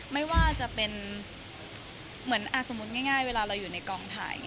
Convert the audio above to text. ไม่ว่าจะเป็นเหมือนสมมุติง่ายเวลาเราอยู่ในกองถ่าย